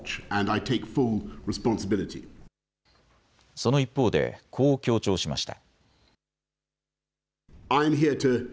その一方でこう強調しました。